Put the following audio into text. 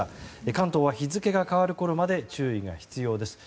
関東は日付が変わるころまで注意が必要です。